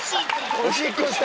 おしっこした？